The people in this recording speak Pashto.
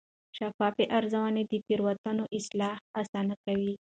شفاف ارزونه د تېروتنو اصلاح اسانه کوي.